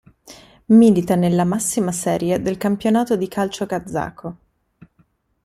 Milita nella massima serie del campionato di calcio kazako.